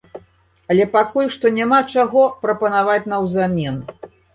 Але пакуль што няма чаго прапанаваць наўзамен.